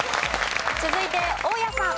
続いて大家さん。